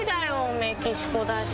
メキシコだし。